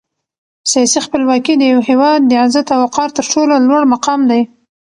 سیاسي خپلواکي د یو هېواد د عزت او وقار تر ټولو لوړ مقام دی.